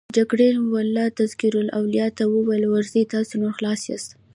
جګړن وه تذکره والاو ته وویل: ورځئ، تاسو نور خلاص یاست.